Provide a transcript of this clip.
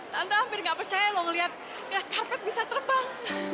tante hampir gak percaya lo ngelihat ngelihat karpet bisa terbang